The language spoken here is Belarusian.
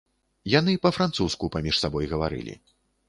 Яны па-французску паміж сабой гаварылі.